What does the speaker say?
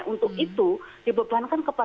untuk itu dibebankan ke